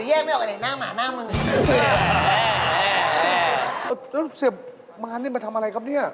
๊าอุ้ยเสียโรงงานนี่ไปทำอะไรครับนี่